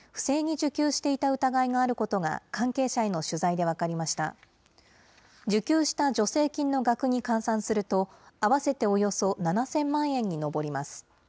受給した助成金の額に換算すると、合わせておよそ７０００万円に上ります。